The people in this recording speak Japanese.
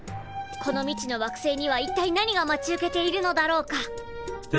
この未知の惑星にはいったい何が待ち受けているのだろうか？